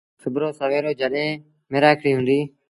سُڀوٚ رو سويرو جڏهيݩٚ ميرآکڙيٚ هُنٚديٚ